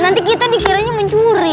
nanti kita dikiranya mencuri